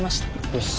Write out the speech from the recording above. よし。